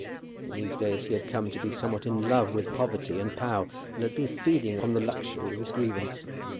In these days he had come to be somewhat in love with poverty and Pau, and had been feeding on the luxury of his grievance.